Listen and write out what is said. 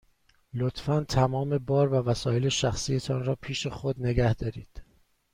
لطفاً تمام بار و وسایل شخصی تان را پیش خود نگه دارید.